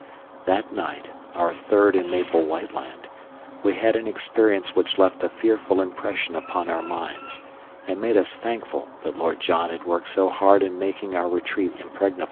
That night (our third in Maple White Land) we had an experience which left a fearful impression upon our minds, and made us thankful that Lord John had worked so hard in making our retreat impregnable.